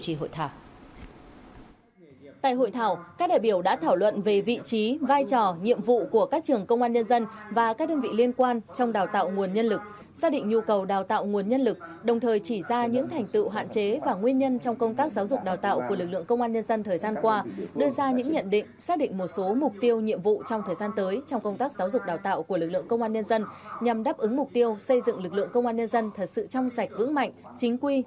điều đó đề nghị các học viện trường công an nhân dân bám sát các nghị quyết của đảng ủy công an trung ương chỉ thị của bộ trưởng bộ công an trung ương xác định nhu cầu đào tạo nguồn nhân lực đồng thời chỉ ra những thành tựu hạn chế và nguyên nhân trong công tác giáo dục đào tạo của lực lượng công an nhân dân thời gian qua đưa ra những nhận định xác định một số mục tiêu nhiệm vụ trong thời gian tới trong công tác giáo dục đào tạo của lực lượng công an nhân dân nhằm đáp ứng mục tiêu xây dựng lực lượng công an nhân dân thật sự trong sạch vững mạnh chính quy